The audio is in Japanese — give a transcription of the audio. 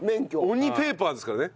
鬼ペーパーですからね。